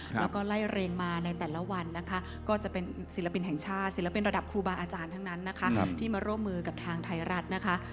แล้วก็ไล่เรียงมาในแต่ละวันนะคะก็จะเป็นศิลปินแห่งชาติศิลปินระดับครูบาอาจารย์ทั้งนั้นนะคะที่มาร่วมมือกับทางไทยรัฐนะคะ